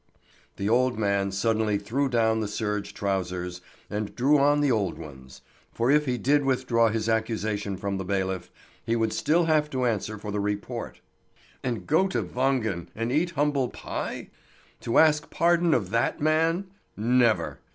The old man suddenly threw down the serge trousers, and drew on the old ones; for if he did withdraw his accusation from the bailiff, he would still have to answer for the report. And go to Wangen and eat humble pie? To ask pardon of that man? Never!